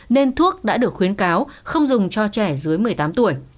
nên thuốc đã được khuyến cáo không dùng cho trẻ dưới một mươi tám tuổi